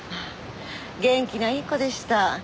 元気ないい子でした。